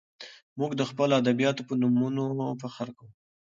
موږ د خپلو ادیبانو په نومونو فخر کوو.